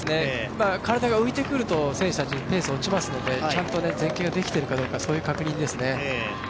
体が浮いてくると選手たち、ペースが落ちますので、ちゃんと前傾ができてるかどうか、そういう確認ですね。